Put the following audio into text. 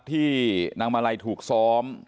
ที่นางมาลัยถูกซ้อม